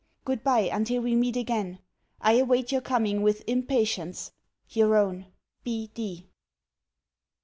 Goodbye until we meet again. I await your coming with impatience Your own, B.